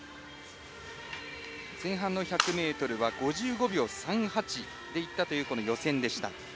前半の１００ｍは５５秒３８でいったという予選でした。